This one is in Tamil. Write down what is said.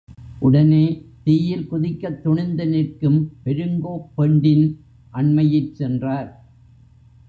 உடனே, தீயில் குதிக்கத் துணிந்து நிற்கும் பெருங்கோப் பெண்டின் அண்மையிற் சென்றார்.